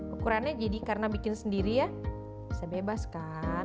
ukurannya jadi karena bikin sendiri ya bisa bebas kan